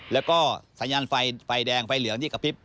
แล้วก็สัญญาณไฟไฟแดงไฟเหลืองที่กระพริบ